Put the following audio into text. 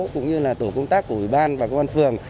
cũng như là tổ công tác của ủy ban và công an phường